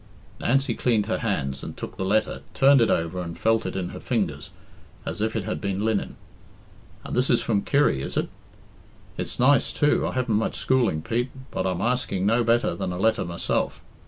Nancy cleaned her hands and took the letter, turned it over and felt it in her fingers as if it had been linen. "And this is from Kirry, is it? It's nice, too. I haven't much schooling, Pete, but I'm asking no better than a letter myself.